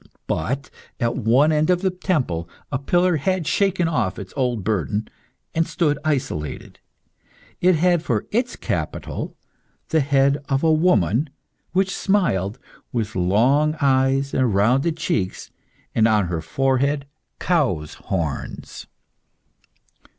But, at one end of the temple, a pillar had shaken off its old burden, and stood isolated. It had for its capital the head of a woman which smiled, with long eyes and rounded cheeks, and on her forehead cow's horns.